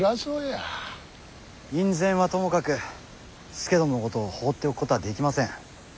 院宣はともかく佐殿のことを放っておくことはできません。